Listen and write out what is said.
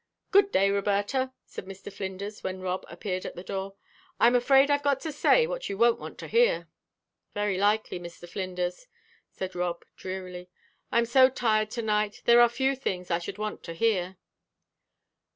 "Good day, Roberta," said Mr. Flinders, when Rob appeared at the door. "I'm afraid I've got to say what you won't want to hear." "Very likely, Mr. Flinders," said Rob, drearily. "I am so tired to night there are few things I should want to hear."